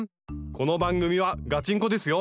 この番組はガチンコですよ！